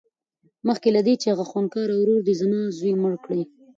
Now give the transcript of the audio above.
مخکې له دې چې هغه خونکار ورور دې زما زوى مړ کړي.